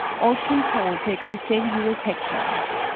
OLD KING COLE takes the same view as HECLA.